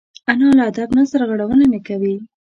انا له ادب نه سرغړونه نه کوي